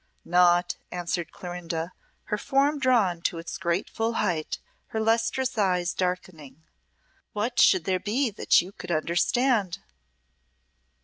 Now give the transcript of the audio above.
"Naught," answered Clorinda, her form drawn to its great full height, her lustrous eyes darkening. "What should there be that you could understand?"